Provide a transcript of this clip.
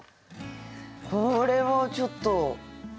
これもちょっと。